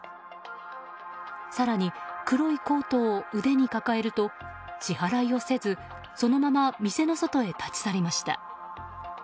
更に黒いコートを腕に抱えると支払いをせずそのまま店の外へ立ち去りました。